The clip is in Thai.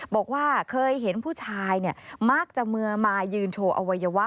บอกว่าเคยเห็นผู้ชายมักจะเมื่อมายืนโชว์อวัยวะ